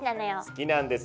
好きなんですね。